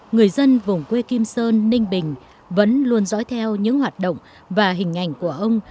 người dân vùng quê kim sơn ninh bình vẫn luôn dõi theo những hoạt động và hình ảnh của ông